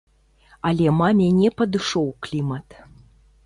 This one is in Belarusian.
Але маме не падышоў клімат.